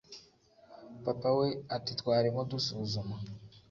papa we ati twarimo dusuzuma